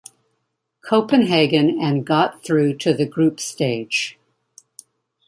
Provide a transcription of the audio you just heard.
Copenhagen and got through to the group stage.